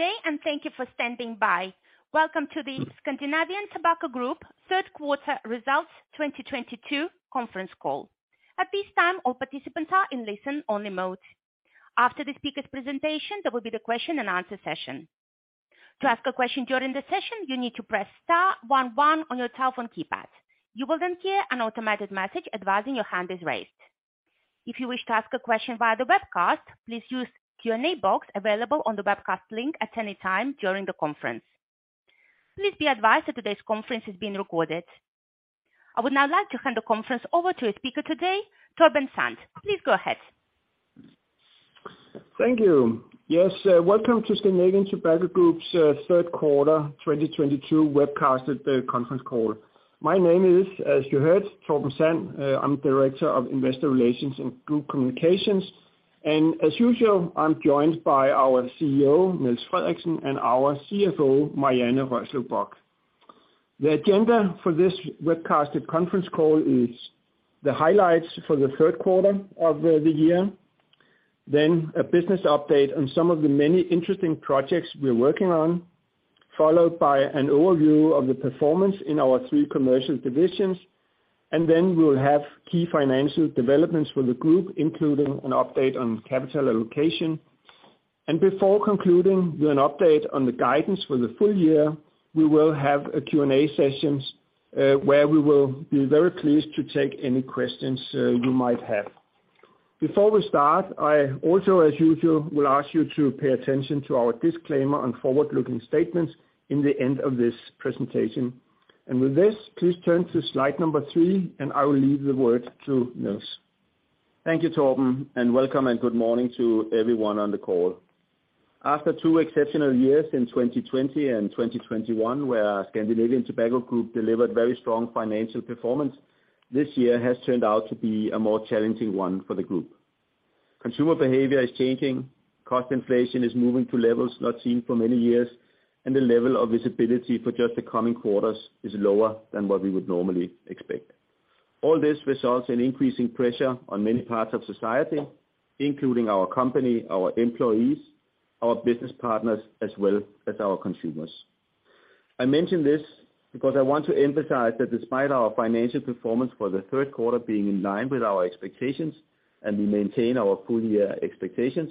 Good day and thank you for standing by. Welcome to the Scandinavian Tobacco Group third quarter results 2022 conference call. At this time, all participants are in listen only mode. After the speaker presentation, there will be the question-and-answer session. To ask a question during the session, you need to press star one one on your telephone keypad. You will then hear an automated message advising your hand is raised. If you wish to ask a question via the webcast, please use the Q&A box available on the webcast link at any time during the conference. Please be advised that today's conference is being recorded. I would now like to hand the conference over to a speaker today, Torben Sand. Please go ahead. Thank you. Yes, welcome to Scandinavian Tobacco Group's third quarter 2022 webcasted conference call. My name is, as you heard, Torben Sand. I'm Director of Investor Relations and Communications. As usual, I'm joined by our CEO, Niels Frederiksen, and our CFO, Marianne Rørslev Bock. The agenda for this webcasted conference call is the highlights for the third quarter of the year, then a business update on some of the many interesting projects we're working on, followed by an overview of the performance in our three commercial divisions. Then we'll have key financial developments for the group, including an update on capital allocation. Before concluding with an update on the guidance for the full year, we will have a Q&A session where we will be very pleased to take any questions you might have. Before we start, I also, as usual, will ask you to pay attention to our disclaimer on forward-looking statements in the end of this presentation. With this, please turn to slide number three, and I will leave the word to Niels. Thank you, Torben, and welcome and good morning to everyone on the call. After two exceptional years in 2020 and 2021, where Scandinavian Tobacco Group delivered very strong financial performance, this year has turned out to be a more challenging one for the group. Consumer behavior is changing, cost inflation is moving to levels not seen for many years, and the level of visibility for just the coming quarters is lower than what we would normally expect. All this results in increasing pressure on many parts of society, including our company, our employees, our business partners, as well as our consumers. I mention this because I want to emphasize that despite our financial performance for the third quarter being in line with our expectations, and we maintain our full year expectations,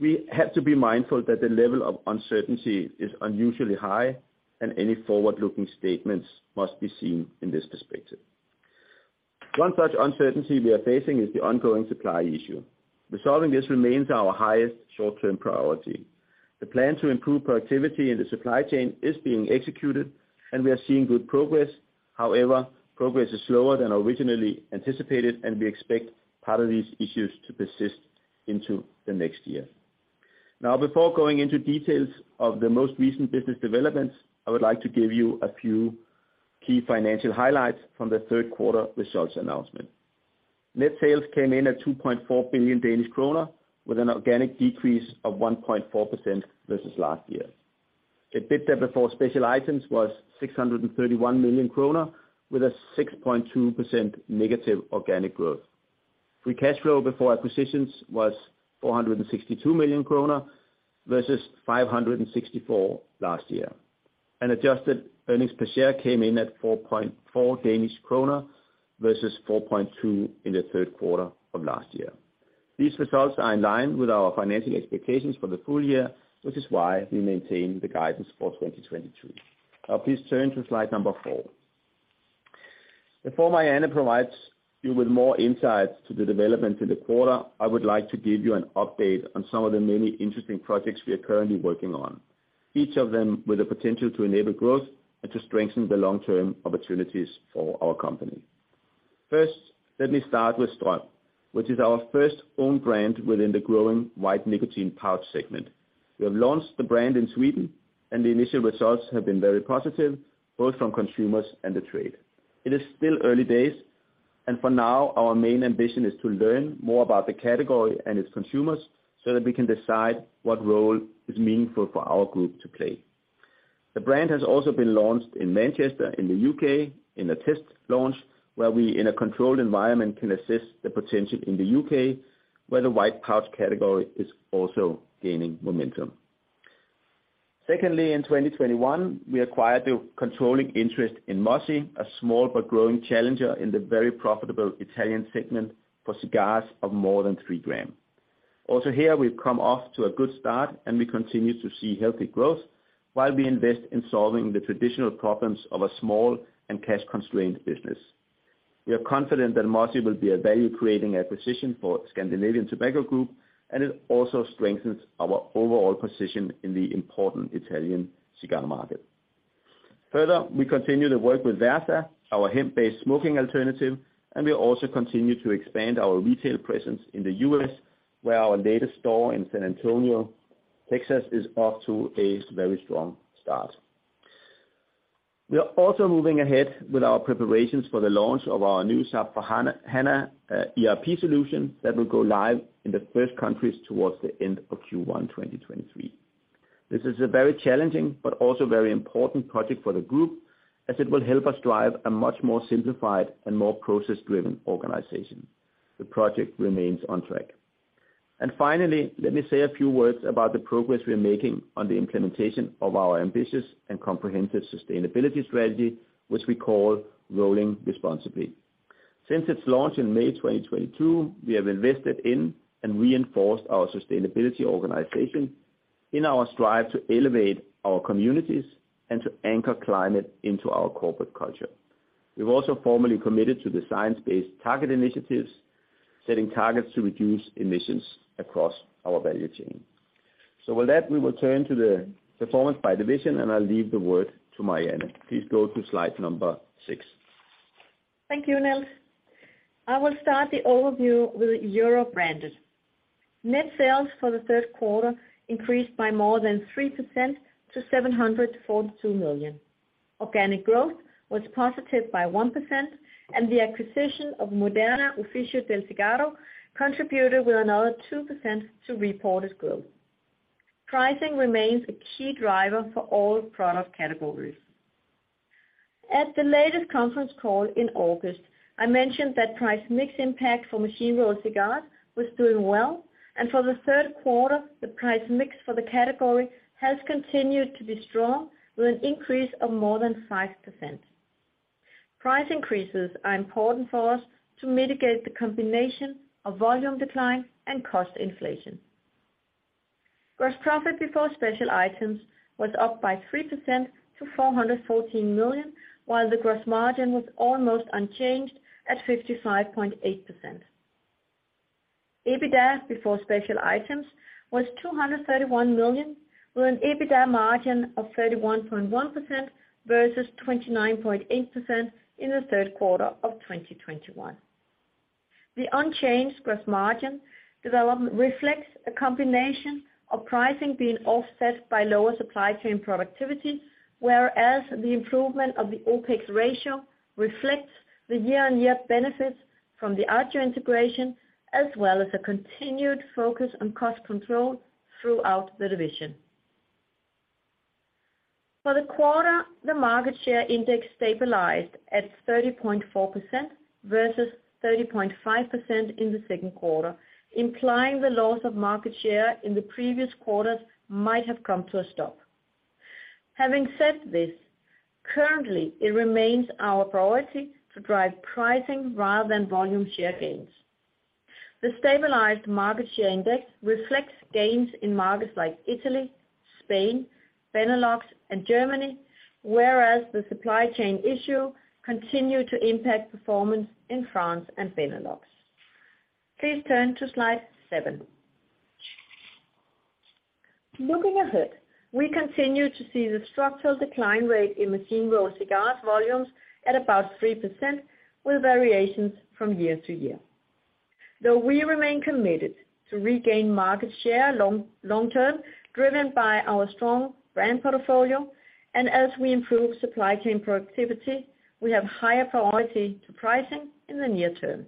we have to be mindful that the level of uncertainty is unusually high, and any forward-looking statements must be seen in this perspective. One such uncertainty we are facing is the ongoing supply issue. Resolving this remains our highest short-term priority. The plan to improve productivity in the supply chain is being executed, and we are seeing good progress. However, progress is slower than originally anticipated, and we expect part of these issues to persist into the next year. Now, before going into details of the most recent business developments, I would like to give you a few key financial highlights from the third quarter results announcement. Net sales came in at 2.4 billion Danish kroner, with an organic decrease of 1.4% versus last year. EBITDA before special items was 631 million kroner, with a 6.2% negative organic growth. Free cash flow before acquisitions was 462 million kroner versus 564 million last year. Adjusted earnings per share came in at 4.4 Danish kroner versus 4.2 in the third quarter of last year. These results are in line with our financial expectations for the full year, which is why we maintain the guidance for 2022. Now, please turn to slide four. Before Marianne provides you with more insights to the development in the quarter, I would like to give you an update on some of the many interesting projects we are currently working on, each of them with the potential to enable growth and to strengthen the long-term opportunities for our company. First, let me start with STRÖM, which is our first own brand within the growing white nicotine pouch segment. We have launched the brand in Sweden, and the initial results have been very positive, both from consumers and the trade. It is still early days, and for now, our main ambition is to learn more about the category and its consumers so that we can decide what role is meaningful for our group to play. The brand has also been launched in Manchester, in the U.K., in a test launch where we, in a controlled environment, can assess the potential in the U.K., where the white pouch category is also gaining momentum. Secondly, in 2021, we acquired the controlling interest in MOSI, a small but growing challenger in the very profitable Italian segment for cigars of more than 3 gram. Also here, we've got off to a good start, and we continue to see healthy growth while we invest in solving the traditional problems of a small and cash-constrained business. We are confident that MOSI will be a value-creating acquisition for Scandinavian Tobacco Group, and it also strengthens our overall position in the important Italian cigar market. Further, we continue to work with Versa, our hemp-based smoking alternative, and we also continue to expand our retail presence in the U.S., where our latest store in San Antonio, Texas, is off to a very strong start. We are also moving ahead with our preparations for the launch of our new SAP S/4HANA ERP solution that will go live in the first countries towards the end of Q1 2023. This is a very challenging but also very important project for the group, as it will help us drive a much more simplified and more process-driven organization. The project remains on track. Finally, let me say a few words about the progress we're making on the implementation of our ambitious and comprehensive sustainability strategy, which we call Rolling Responsibly. Since its launch in May 2022, we have invested in and reinforced our sustainability organization in our strive to elevate our communities and to anchor climate into our corporate culture. We've also formally committed to the Science Based Targets initiative, setting targets to reduce emissions across our value chain. With that, we will turn to the performance by division, and I'll leave the word to Marianne. Please go to slide number six. Thank you, Niels. I will start the overview with Europe Branded. Net sales for the third quarter increased by more than 3% to 742 million. Organic growth was positive by 1%, and the acquisition of Moderno Opificio del Sigaro Italiano contributed with another 2% to reported growth. Pricing remains a key driver for all product categories. At the latest conference call in August, I mentioned that price mix impact for machine-rolled cigars was doing well, and for the third quarter, the price mix for the category has continued to be strong with an increase of more than 5%. Price increases are important for us to mitigate the combination of volume decline and cost inflation. Gross profit before special items was up by 3% to 414 million, while the gross margin was almost unchanged at 55.8%. EBITDA before special items was 231 million, with an EBITDA margin of 31.1% versus 29.8% in the third quarter of 2021. The unchanged gross margin development reflects a combination of pricing being offset by lower supply chain productivity, whereas the improvement of the OpEx ratio reflects the year-on-year benefits from the Agio integration, as well as a continued focus on cost control throughout the division. For the quarter, the market share index stabilized at 30.4% versus 30.5% in the second quarter, implying the loss of market share in the previous quarters might have come to a stop. Having said this, currently it remains our priority to drive pricing rather than volume share gains. The stabilized market share index reflects gains in markets like Italy, Spain, Benelux, and Germany, whereas the supply chain issue continued to impact performance in France and Benelux. Please turn to slide seven. Looking ahead, we continue to see the structural decline rate in machine-rolled cigars volumes at about 3%, with variations from year to year. Though we remain committed to regain market share long-term, driven by our strong brand portfolio, and as we improve supply chain productivity, we have higher priority to pricing in the near-term.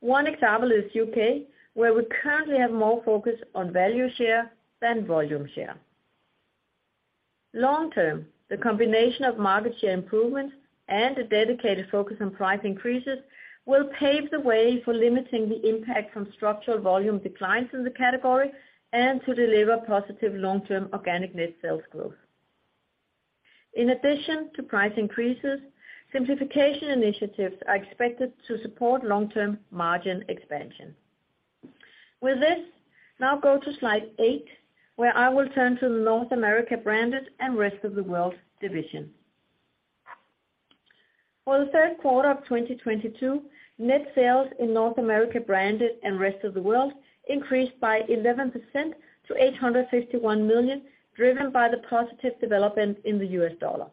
One example is U.K., where we currently have more focus on value share than volume share. Long-term, the combination of market share improvements and a dedicated focus on price increases will pave the way for limiting the impact from structural volume declines in the category and to deliver positive long-term organic net sales growth. In addition to price increases, simplification initiatives are expected to support long-term margin expansion. With this, now go to slide eight, where I will turn to the North America Branded and Rest of World division. For the third quarter of 2022, net sales in North America Branded and Rest of World increased by 11% to 851 million, driven by the positive development in the U.S. dollar.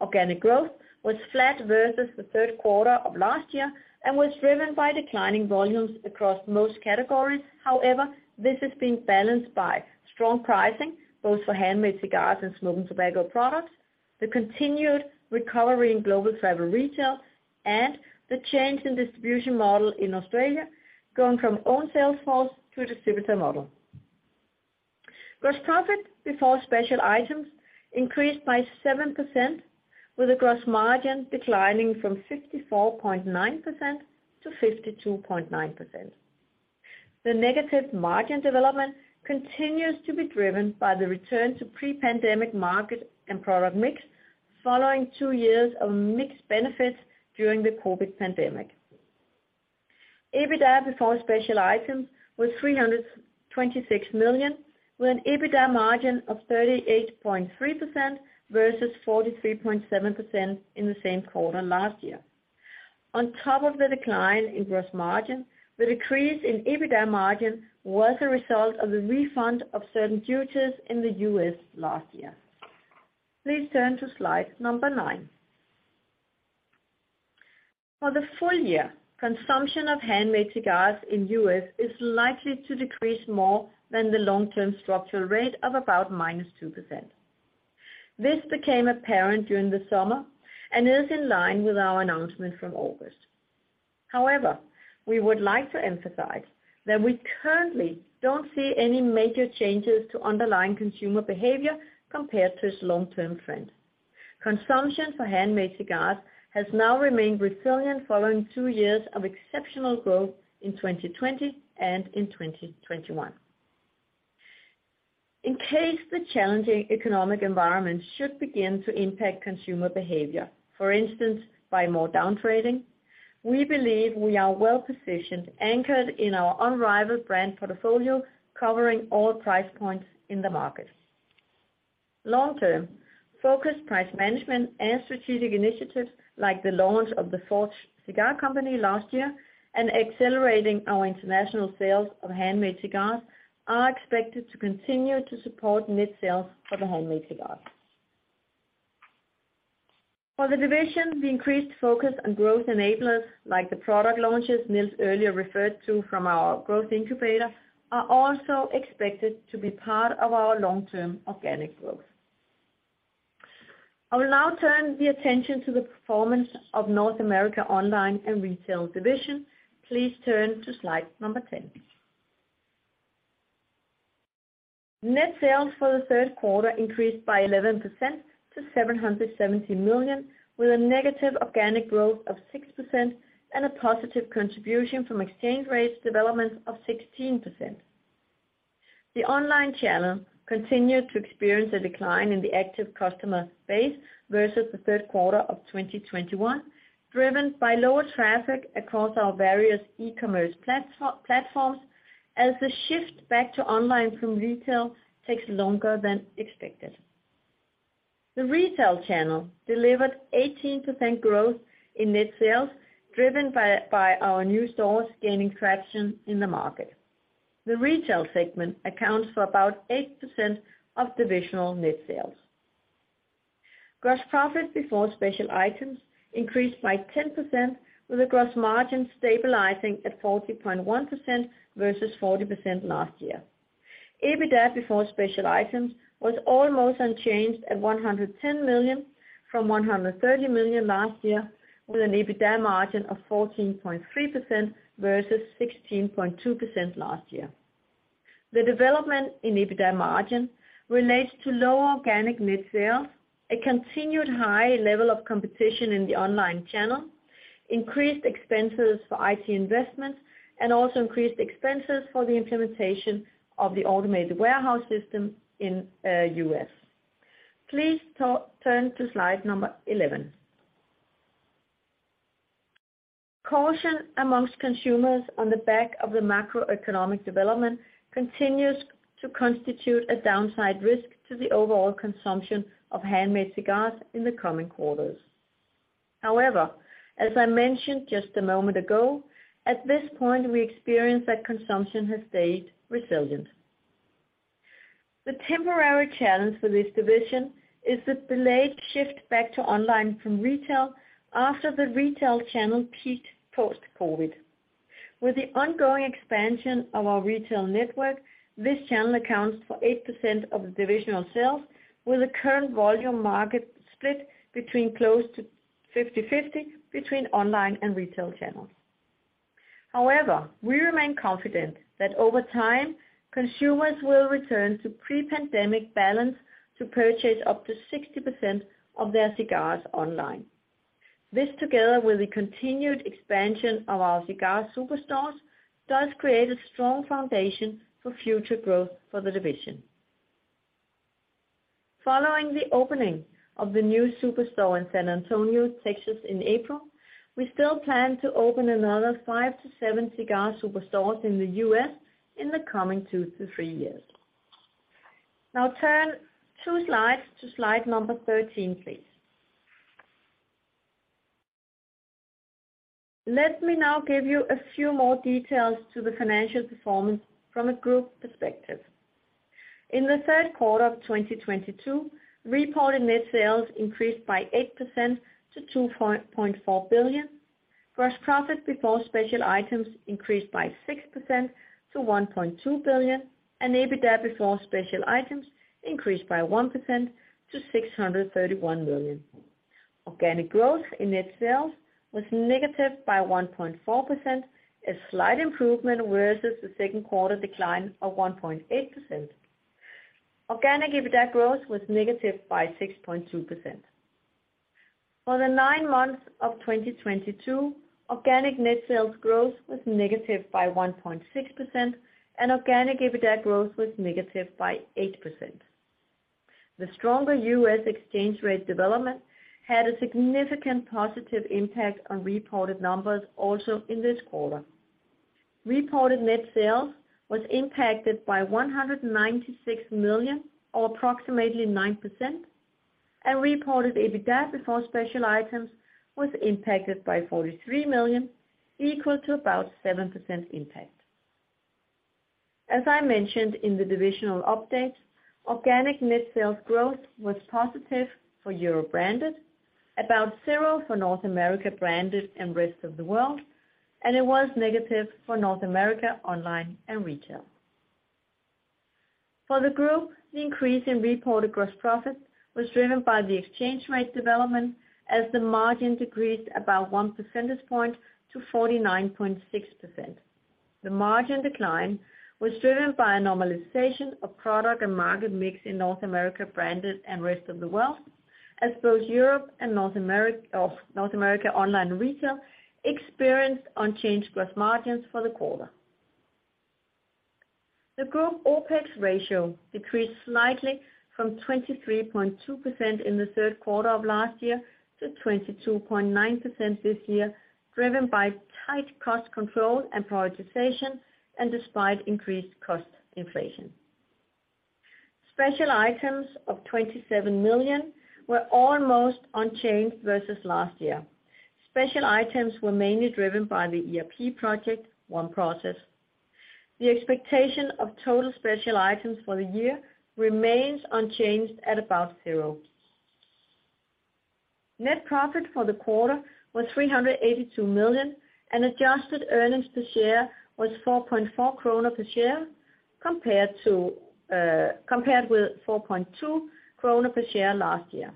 Organic growth was flat versus the third quarter of last year and was driven by declining volumes across most categories. However, this has been balanced by strong pricing, both for handmade cigars and smoking tobacco products, the continued recovery in global travel retail, and the change in distribution model in Australia, going from own sales force to a distributor model. Gross profit before special items increased by 7%, with the gross margin declining from 54.9%-52.9%. The negative margin development continues to be driven by the return to pre-pandemic market and product mix following two years of mixed benefits during the COVID-19 pandemic. EBITDA before special items was 326 million, with an EBITDA margin of 38.3% versus 43.7% in the same quarter last year. On top of the decline in gross margin, the decrease in EBITDA margin was a result of the refund of certain duties in the U.S. last year. Please turn to slide nine. For the full year, consumption of handmade cigars in U.S. is likely to decrease more than the long-term structural rate of about -2%. This became apparent during the summer and is in line with our announcement from August. However, we would like to emphasize that we currently don't see any major changes to underlying consumer behavior compared to its long-term trend. Consumption for handmade cigars has now remained resilient following two years of exceptional growth in 2020 and in 2021. In case the challenging economic environment should begin to impact consumer behavior, for instance by more down trading, we believe we are well-positioned, anchored in our unrivaled brand portfolio, covering all price points in the market. Long-term, focused price management and strategic initiatives, like the launch of the Forged Cigar Company last year, and accelerating our international sales of handmade cigars, are expected to continue to support net sales for the handmade cigars. For the division, the increased focus on growth enablers, like the product launches Niels earlier referred to from our growth incubator, are also expected to be part of our long-term organic growth. I will now turn the attention to the performance of North America Online and Retail division. Please turn to slide 10. Net sales for the third quarter increased by 11% to 770 million, with a negative organic growth of -6% and a positive contribution from exchange rates development of 16%. The online channel continued to experience a decline in the active customer base versus the third quarter of 2021, driven by lower traffic across our various e-commerce platforms, as the shift back to online from retail takes longer than expected. The retail channel delivered 18% growth in net sales, driven by our new stores gaining traction in the market. The retail segment accounts for about 8% of divisional net sales. Gross profit before special items increased by 10% with a gross margin stabilizing at 40.1% versus 40% last year. EBITDA before special items was almost unchanged at 110 million from 130 million last year, with an EBITDA margin of 14.3% versus 16.2% last year. The development in EBITDA margin relates to lower organic net sales, a continued high level of competition in the online channel, increased expenses for IT investments, and also increased expenses for the implementation of the automated warehouse system in U.S. Please turn to slide 11. Caution among consumers on the back of the macroeconomic development continues to constitute a downside risk to the overall consumption of handmade cigars in the coming quarters. However, as I mentioned just a moment ago, at this point, we experience that consumption has stayed resilient. The temporary challenge for this division is the delayed shift back to online from retail after the retail channel peaked post-COVID-19. With the ongoing expansion of our retail network, this channel accounts for 8% of the divisional sales, with the current volume market split between close to 50/50 between online and retail channels. However, we remain confident that over time, consumers will return to pre-pandemic balance to purchase up to 60% of their cigars online. This, together with the continued expansion of our cigar superstores, does create a strong foundation for future growth for the division. Following the opening of the new superstore in San Antonio, Texas in April, we still plan to open another five to seven cigar superstores in the U.S. in the coming two to three years. Now turn to slide number 13, please. Let me now give you a few more details to the financial performance from a group perspective. In the third quarter of 2022, reported net sales increased by 8% to 2.4 billion. Gross profit before special items increased by 6% to 1.2 billion, and EBITDA before special items increased by 1% to 631 million. Organic growth in net sales was negative by 1.4%, a slight improvement versus the second quarter decline of 1.8%. Organic EBITDA growth was negative by 6.2%. For the nine months of 2022, organic net sales growth was negative by 1.6%, and organic EBITDA growth was negative by 8%. The stronger U.S. exchange rate development had a significant positive impact on reported numbers also in this quarter. Reported net sales was impacted by 196 million, or approximately 9%, and reported EBITDA before special items was impacted by 43 million, equal to about 7% impact. As I mentioned in the divisional update, organic net sales growth was positive for Europe Branded, about 0% for North America Branded and Rest of World, and it was negative for North America Online and Retail. For the group, the increase in reported gross profit was driven by the exchange rate development as the margin decreased about 1 percentage point to 49.6%. The margin decline was driven by a normalization of product and market mix in North America Branded and Rest of World, as both Europe Branded and North America Online and Retail experienced unchanged gross margins for the quarter. The group OpEx ratio decreased slightly from 23.2% in the third quarter of last year to 22.9% this year, driven by tight cost control and prioritization and despite increased cost inflation. Special items of 27 million were almost unchanged versus last year. Special items were mainly driven by the ERP project OneProcess. The expectation of total special items for the year remains unchanged at about zero. Net profit for the quarter was 382 million, and adjusted earnings per share was 4.4 kroner per share compared to, compared with 4.2 kroner per share last year.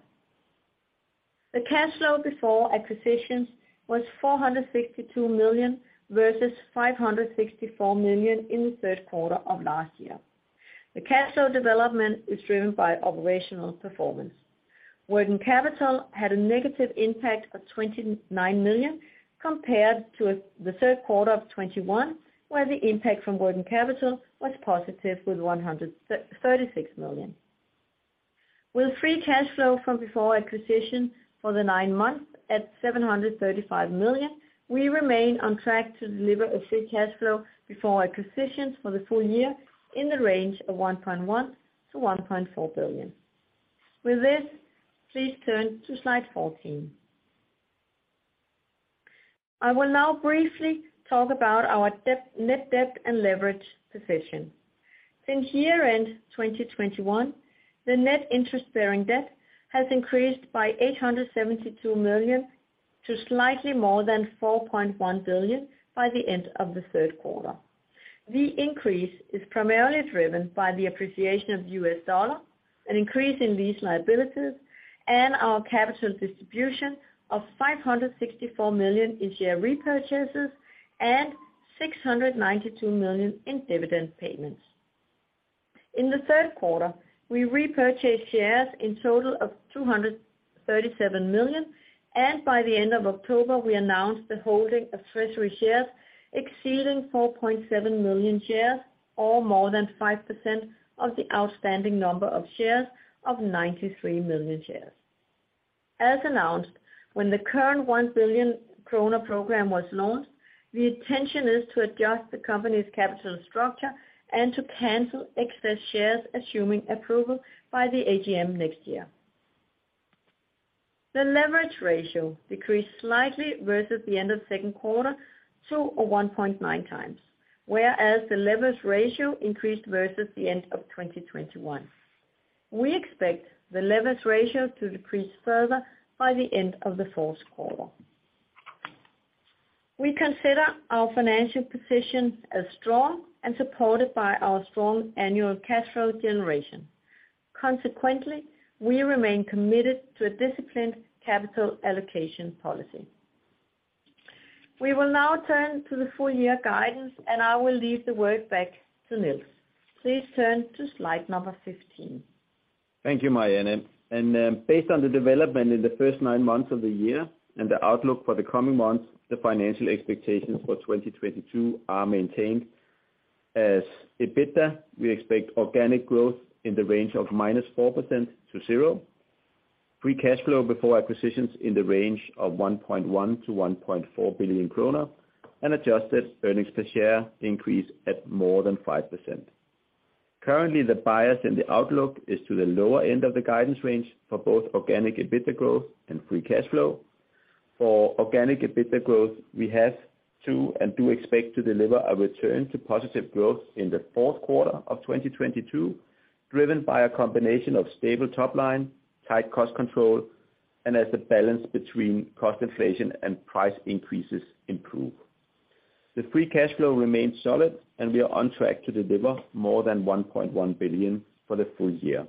The cash flow before acquisitions was 462 million versus 564 million in the third quarter of last year. The cash flow development is driven by operational performance. Working capital had a negative impact of 29 million compared to the third quarter of 2021, where the impact from working capital was positive with 136 million. With free cash flow before acquisition for the nine months at 735 million, we remain on track to deliver a free cash flow before acquisitions for the full year in the range of 1.1 billion-1.4 billion. With this, please turn to slide 14. I will now briefly talk about our debt, net debt and leverage position. Since year-end 2021, the net interest-bearing debt has increased by 872 million to slightly more than 4.1 billion by the end of the third quarter. The increase is primarily driven by the appreciation of the U.S. dollar, an increase in these liabilities, and our capital distribution of 564 million in share repurchases and 692 million in dividend payments. In the third quarter, we repurchased shares in total of 237 million, and by the end of October, we announced the holding of treasury shares exceeding 4.7 million shares or more than 5% of the outstanding number of shares of 93 million shares. As announced, when the current 1 billion kroner program was launched, the intention is to adjust the company's capital structure and to cancel excess shares, assuming approval by the AGM next year. The leverage ratio decreased slightly versus the end of second quarter to a 1.9x, whereas the leverage ratio increased versus the end of 2021. We expect the leverage ratio to decrease further by the end of the fourth quarter. We consider our financial position as strong and supported by our strong annual cash flow generation. Consequently, we remain committed to a disciplined capital allocation policy. We will now turn to the full year guidance, and I will hand it back to Niels. Please turn to slide number 15. Thank you, Marianne. Based on the development in the first nine months of the year and the outlook for the coming months, the financial expectations for 2022 are maintained. Adjusted EBITDA, we expect organic growth in the range of -4% to 0%, free cash flow before acquisitions in the range of 1.1 billion-1.4 billion kroner and adjusted earnings per share increase at more than 5%. Currently, the bias in the outlook is to the lower end of the guidance range for both organic EBITDA growth and free cash flow. For organic EBITDA growth, we have to and do expect to deliver a return to positive growth in the fourth quarter of 2022, driven by a combination of stable top line, tight cost control, and as the balance between cost inflation and price increases improve. The free cash flow remains solid, and we are on track to deliver more than 1.1 billion for the full year,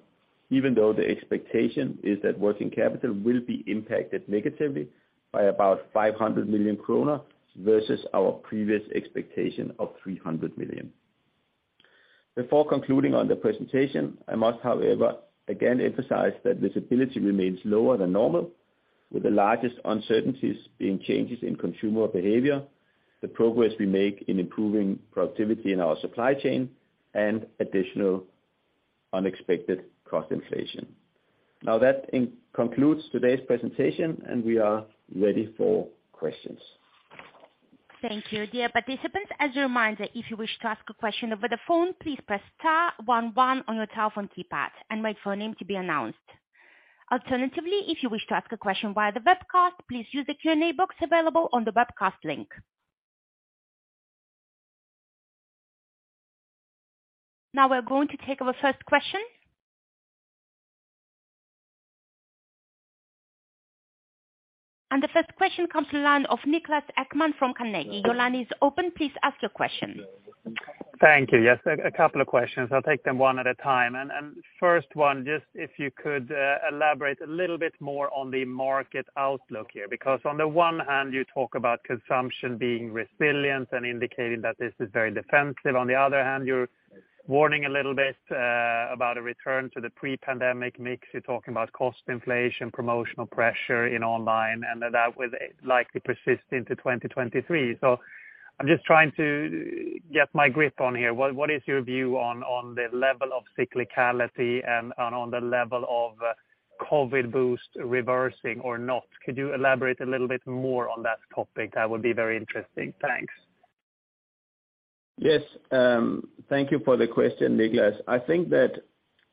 even though the expectation is that working capital will be impacted negatively by about 500 million kroner versus our previous expectation of 300 million. Before concluding on the presentation, I must, however, again emphasize that visibility remains lower than normal, with the largest uncertainties being changes in consumer behavior, the progress we make in improving productivity in our supply chain, and additional unexpected cost inflation. Now that concludes today's presentation, and we are ready for questions. Thank you. Dear participants, as a reminder, if you wish to ask a question over the phone, please press star one one on your telephone keypad and wait for your name to be announced. Alternatively, if you wish to ask a question via the webcast, please use the Q&A box available on the webcast link. Now we're going to take our first question. The first question comes to the line of Niklas Ekman from Carnegie. Your line is open. Please ask your question. Thank you. Yes, a couple of questions. I'll take them one at a time. First one, just if you could elaborate a little bit more on the market outlook here, because on the one hand you talk about consumption being resilient and indicating that this is very defensive. On the other hand, you're warning a little bit about a return to the pre-pandemic mix. You're talking about cost inflation, promotional pressure in online, and that will likely persist into 2023. So I'm just trying to get a grip on here. What is your view on the level of cyclicality and on the level of COVID-19 boost reversing or not? Could you elaborate a little bit more on that topic? That would be very interesting. Thanks. Yes. Thank you for the question, Niklas. I think that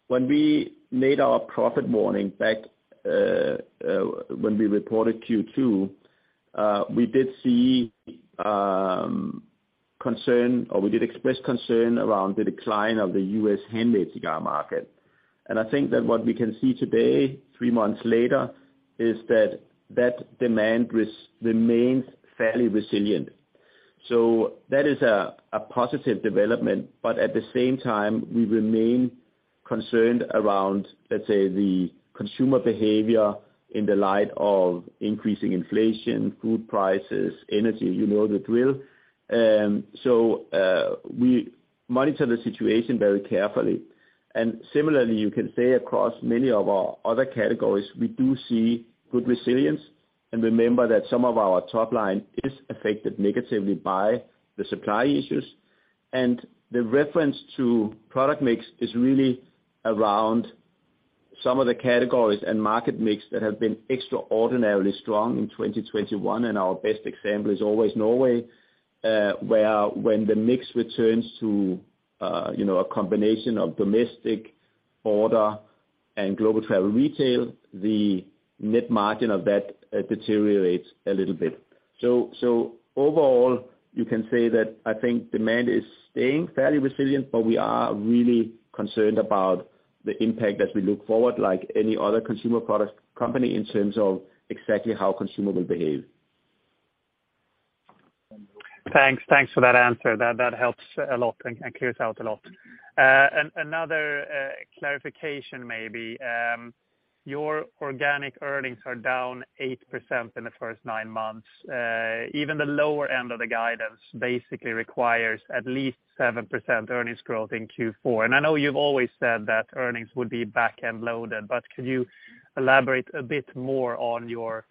when we made our profit warning back when we reported Q2, we did see concern, or we did express concern around the decline of the U.S. handmade cigar market. I think that what we can see today, three months later, is that demand remains fairly resilient. That is a positive development, but at the same time, we remain concerned around, let's say, the consumer behavior in the light of increasing inflation, food prices, energy, you know the drill. We monitor the situation very carefully. Similarly, you can say across many of our other categories, we do see good resilience, and remember that some of our top line is affected negatively by the supply issues. The reference to product mix is really around some of the categories and market mix that have been extraordinarily strong in 2021, and our best example is always Norway, where when the mix returns to, you know, a combination of domestic order and global travel retail, the net margin of that deteriorates a little bit. So overall, you can say that I think demand is staying fairly resilient, but we are really concerned about the impact as we look forward, like any other consumer products company, in terms of exactly how consumer will behave. Thanks. Thanks for that answer. That helps a lot and clears out a lot. Another clarification maybe. Your organic earnings are down 8% in the first nine months. Even the lower end of the guidance basically requires at least 7% earnings growth in Q4. I know you've always said that earnings would be back-end loaded, but could you elaborate a bit more on your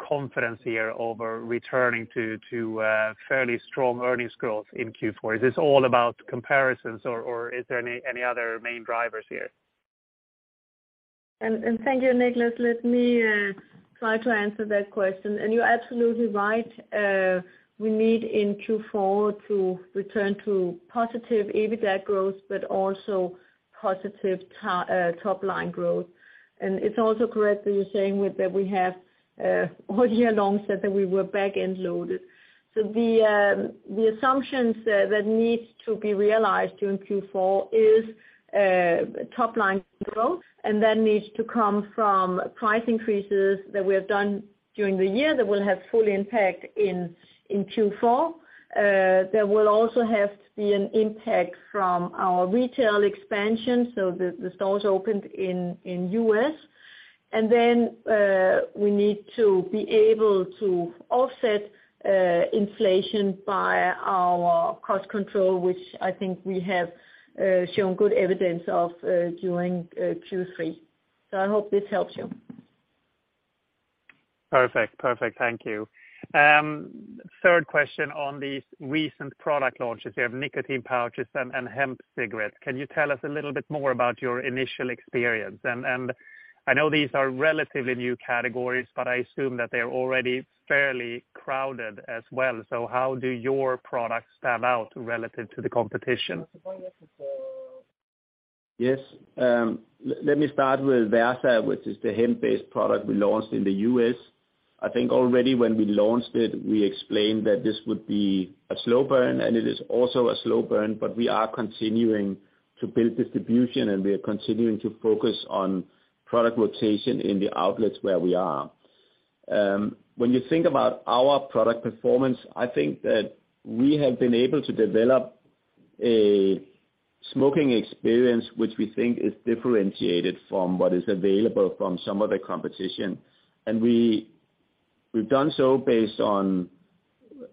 confidence here over returning to fairly strong earnings growth in Q4? Is this all about comparisons or is there any other main drivers here? Thank you, Niklas. Let me try to answer that question. You're absolutely right. We need in Q4 to return to positive EBITDA growth, but also positive top line growth. It's also correct that you're saying with that we have all year long said that we were back-end loaded. The assumptions that needs to be realized during Q4 is top line growth, and that needs to come from price increases that we have done during the year that will have full impact in Q4. There will also have to be an impact from our retail expansion, so the stores opened in U.S. We need to be able to offset inflation by our cost control, which I think we have shown good evidence of during Q3. I hope this helps you. Perfect. Thank you. Third question on these recent product launches. You have nicotine pouches and hemp cigarettes. Can you tell us a little bit more about your initial experience? I know these are relatively new categories, but I assume that they're already fairly crowded as well. How do your products stand out relative to the competition? Yes. Let me start with Versa, which is the hemp-based product we launched in the U.S. I think already when we launched it, we explained that this would be a slow burn, and it is also a slow burn, but we are continuing to build distribution, and we are continuing to focus on product rotation in the outlets where we are. When you think about our product performance, I think that we have been able to develop a smoking experience which we think is differentiated from what is available from some of the competition. We've done so based on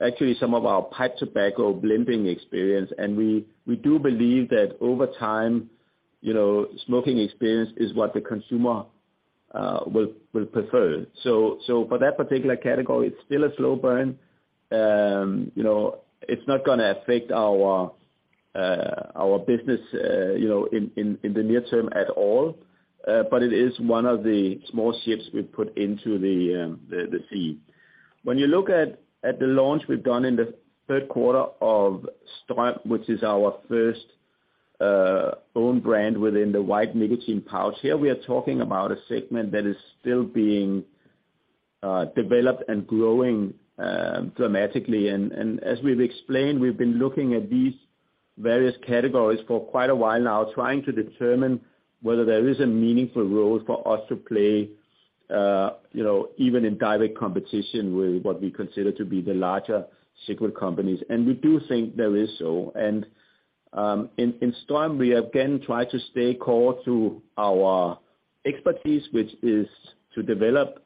actually some of our pipe tobacco blending experience, and we do believe that over time, you know, smoking experience is what the consumer will prefer. So for that particular category, it's still a slow burn. You know, it's not gonna affect our business, you know, in the near-term at all, but it is one of the small ships we put into the sea. When you look at the launch we've done in the third quarter of STRÖM, which is our first own brand within the white nicotine pouch, here we are talking about a segment that is still being developed and growing dramatically. As we've explained, we've been looking at these various categories for quite a while now, trying to determine whether there is a meaningful role for us to play. You know, even in direct competition with what we consider to be the larger cigarette companies, and we do think there is so. In STRÖM, we again try to stay core to our expertise, which is to develop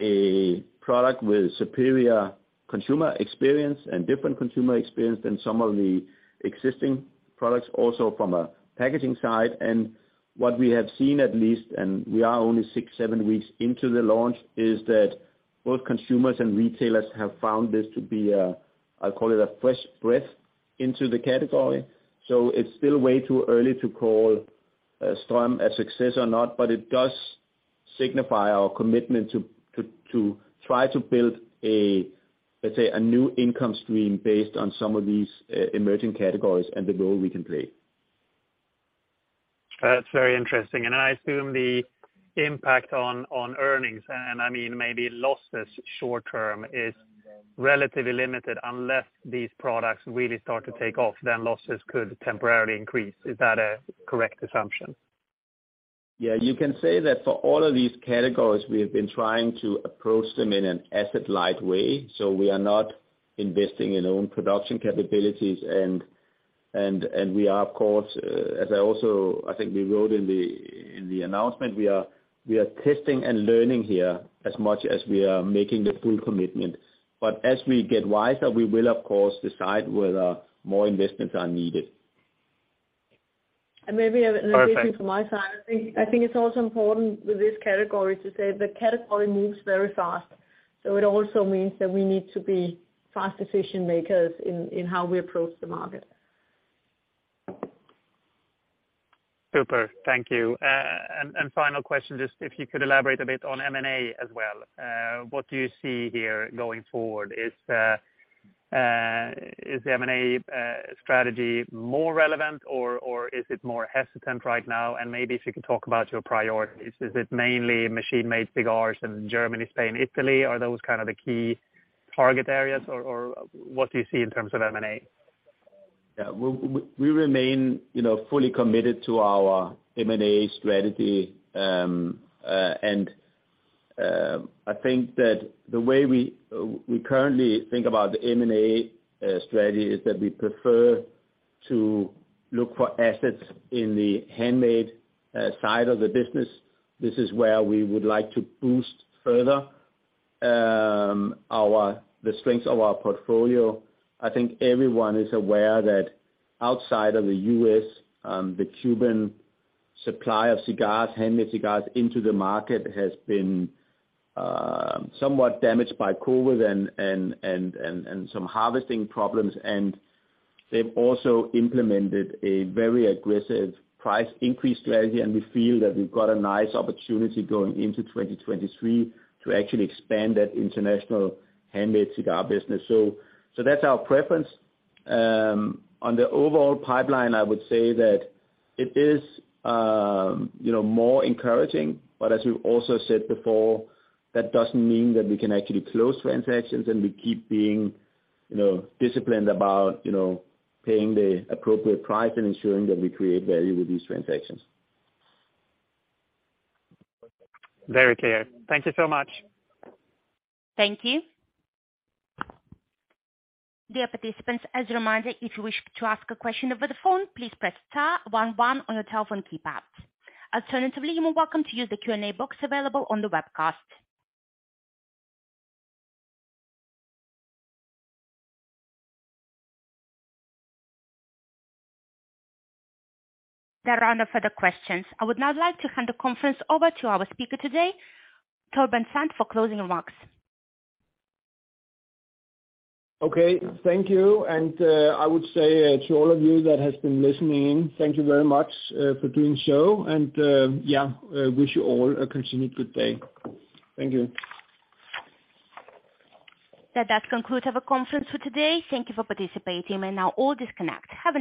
a product with superior consumer experience and different consumer experience than some of the existing products also from a packaging side. What we have seen at least, and we are only six, seven weeks into the launch, is that both consumers and retailers have found this to be a, I call it a fresh breath into the category. It's still way too early to call STRÖM a success or not, but it does signify our commitment to try to build a, let's say, a new income stream based on some of these emerging categories and the role we can play. That's very interesting. I assume the impact on earnings, and I mean maybe losses short term is relatively limited unless these products really start to take off then losses could temporarily increase. Is that a correct assumption? Yeah. You can say that for all of these categories we have been trying to approach them in an asset-light way. We are not investing in own production capabilities and we are of course, as I also think we wrote in the announcement, we are testing and learning here as much as we are making the full commitment. As we get wiser, we will of course decide whether more investments are needed. Perfect. Maybe an addition from my side. I think it's also important with this category to say the category moves very fast. It also means that we need to be fast decision makers in how we approach the market. Super. Thank you. Final question, just if you could elaborate a bit on M&A as well. What do you see here going forward? Is the M&A strategy more relevant or is it more hesitant right now? Maybe if you could talk about your priorities, is it mainly machine-made cigars in Germany, Spain, Italy? Are those kind of the key target areas or what do you see in terms of M&A? Yeah. We remain, you know, fully committed to our M&A strategy. I think that the way we currently think about the M&A strategy is that we prefer to look for assets in the handmade side of the business. This is where we would like to boost further the strengths of our portfolio. I think everyone is aware that outside of the U.S., the Cuban supply of cigars, handmade cigars into the market has been somewhat damaged by COVID-19 and some harvesting problems, and they've also implemented a very aggressive price increase strategy, and we feel that we've got a nice opportunity going into 2023 to actually expand that international handmade cigar business. So that's our preference. On the overall pipeline, I would say that it is, you know, more encouraging. As we've also said before, that doesn't mean that we can actually close transactions and we keep being, you know, disciplined about, you know, paying the appropriate price and ensuring that we create value with these transactions. Very clear. Thank you so much. Thank you. Dear participants, as a reminder, if you wish to ask a question over the phone, please press star one one on your telephone keypad. Alternatively, you are welcome to use the Q&A box available on the webcast. There are no further questions. I would now like to hand the conference over to our speaker today, Torben Sand, for closing remarks. Okay. Thank you. I would say to all of you that has been listening in, thank you very much for doing so. Yeah, wish you all a continued good day. Thank you. That does conclude our conference for today. Thank you for participating. You may now all disconnect. Have a nice day.